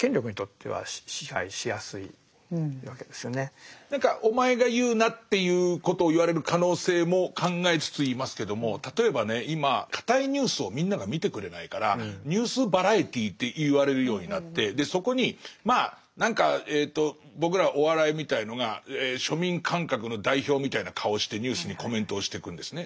もちろん何かお前が言うなっていうことを言われる可能性も考えつつ言いますけども例えばね今堅いニュースをみんなが見てくれないから「ニュースバラエティー」って言われるようになってでそこにまあ何かえと僕らお笑いみたいのが庶民感覚の代表みたいな顔してニュースにコメントをしてくんですね。